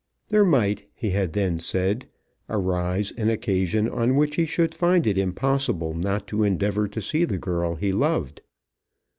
There might, he had then said, arise an occasion on which he should find it impossible not to endeavour to see the girl he loved.